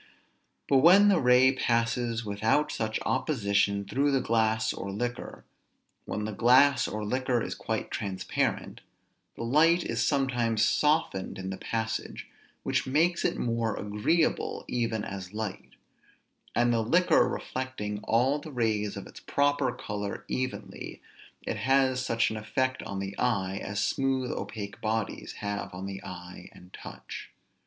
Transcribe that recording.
But when the ray passes without such opposition through the glass or liquor, when the glass or liquor is quite transparent, the light is sometimes softened in the passage, which makes it more agreeable even as light; and the liquor reflecting all the rays of its proper color evenly, it has such an effect on the eye, as smooth opaque bodies have on the eye and touch.